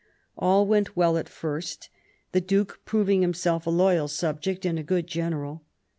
All went well at first, the Duke proving himself a loyal subject and a good general.